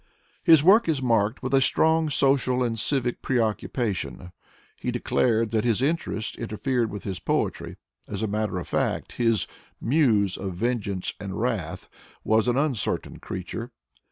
His work is marked by a strong social and civic preoccupa tion. He declared that this interest interfered with his poetry. As a matter of fact, his '* Muse of Vengeance and Wrath '' was an uncertain creature.